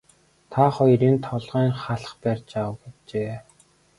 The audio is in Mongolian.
Та хоёр энд толгойн халх барьж ав гэжээ.